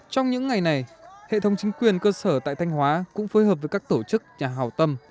trong những ngày này hệ thống chính quyền cơ sở tại thanh hóa cũng phối hợp với các tổ chức nhà hào tâm